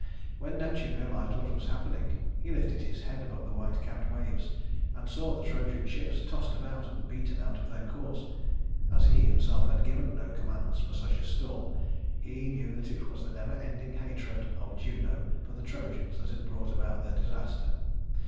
When Neptune realized what was happening, he lifted his head above the white capped waves and saw the Trojan ships tossed about and beaten out of their course. As he himself had given no commands for such a storm, he knew it was the never ending hatred of Juno for the Trojans that had brought about the disaster.